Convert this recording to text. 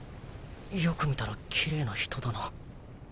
よく見たらキレイな人だな